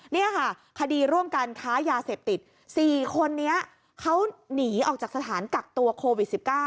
นี่ค่ะคดีร่วมกันค้ายาเสพติด๔คนนี้เขาหนีออกจากสถานกักตัวโควิด๑๙